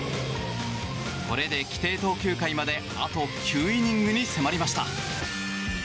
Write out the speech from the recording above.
これで規定投球回まであと９イニングに迫りました。